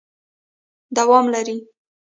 دوام لري ...